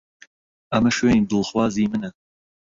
ئەمە شوێنی دڵخوازی منە.